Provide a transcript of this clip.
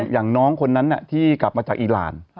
อย่างน้องคนนั้นที่กลับมาจากอีราน